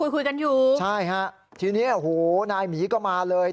อ๋อคุยกันอยู่ใช่ครับทีนี้โหนายหมีก็มาเลย